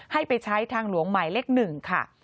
ให้ไปใช้ทางหลวงหมายเลข๑ค่ะ